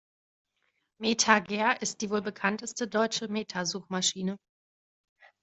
MetaGer ist die wohl bekannteste deutsche Meta-Suchmaschine.